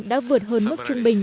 đã vượt hơn mức trung bình